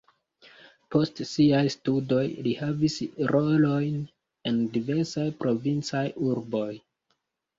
Post siaj studoj li havis rolojn en diversaj provincaj urboj.